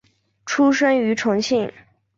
出生于重庆。